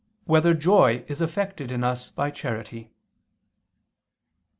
1] Whether Joy Is Effected in Us by Charity?